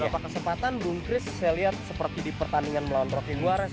pada beberapa kesempatan bung chris saya lihat seperti di pertandingan melawan rofi guares